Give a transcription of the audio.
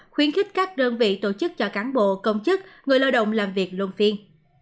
khuyến khích các đơn vị tổ chức cho cán bộ công chức người lao động làm việc luân phiên